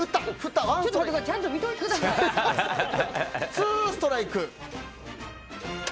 ツーストライク。